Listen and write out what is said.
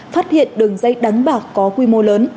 phát hiện đường dây đánh bạc có quy mô lớn